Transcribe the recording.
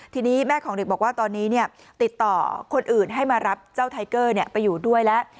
ทีนี้แม่ของเด็กบอกว่าตอนนี้ติดต่อคนอื่นให้มารับเจ้าไทเกอร์ไปอยู่ด้วยแล้ว